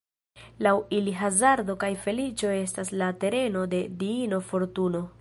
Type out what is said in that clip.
Laŭ ili hazardo kaj feliĉo estas la tereno de diino Fortuno.